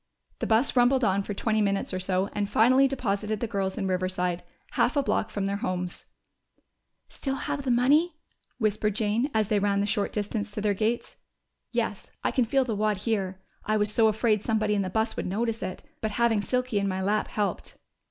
The bus rumbled on for twenty minutes or so and finally deposited the girls in Riverside, half a block from their homes. "Still have the money?" whispered Jane, as they ran the short distance to their gates. "Yes, I can feel the wad here. I was so afraid somebody in the bus would notice it. But having Silky in my lap helped."